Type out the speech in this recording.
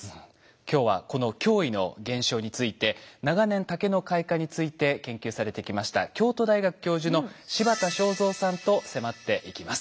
今日はこの驚異の現象について長年竹の開花について研究されてきました京都大学教授の柴田昌三さんと迫っていきます。